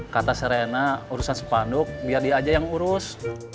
kata serena urusan sepanduk biar dia aja yang urus